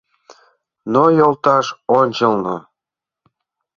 но йолташ ончылно